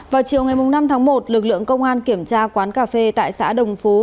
vào chiều ngày năm tháng một lực lượng công an kiểm tra quán cà phê tại xã đồng phú